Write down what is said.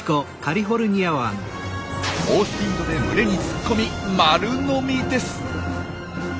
猛スピードで群れに突っ込み丸飲みです！